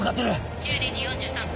１２時４３分